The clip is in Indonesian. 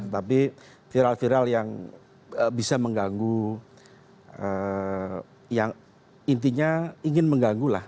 tapi viral viral yang bisa mengganggu yang intinya ingin mengganggu lah